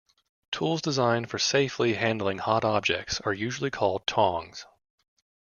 Tools designed for safely handling hot objects are usually called tongs.